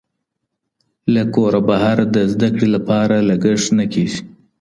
له کوره بهر د زده کړې لپاره لګښت نه کېږي.